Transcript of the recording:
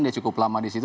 dia cukup lama di situ